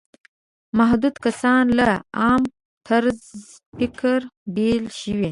محدود کسان له عام طرز فکره بېل شوي.